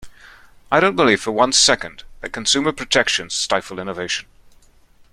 I don't believe for one second that consumer protections stifle innovation.